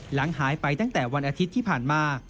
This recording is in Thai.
หลังหายไปตั้งแต่วันอาทิตย์ที่ผ่านมา